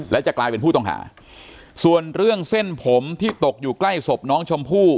และจะกลายเป็นผู้ต้องหาส่วนเรื่องเส้นผมที่ตกอยู่ใกล้ศพน้องชมพู่